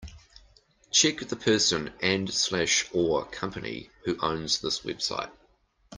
Check the person and/or company who owns this website.